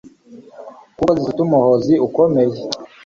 kuko zifite umuhozi ukomeye